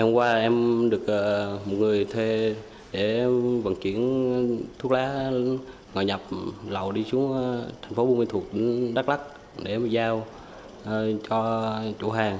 quá trình điều tra phát hiện người đang tạm